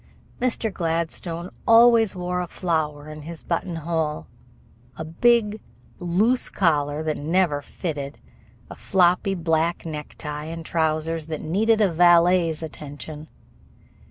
Mr. Gladstone always wore a flower in his button hole, a big, loose collar that never fitted, a floppy black necktie, and trousers that needed a valet's attention.